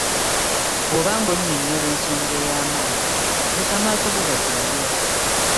Bw’oba nga onnyonnyola ensonga ey’amaanyi leka amaaso go gakirage.